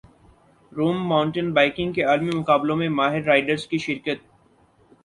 روم mountain biking کے عالمی مقابلوں میں ماہر رائیڈرز کی شرکت